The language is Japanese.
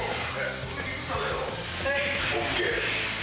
ＯＫ。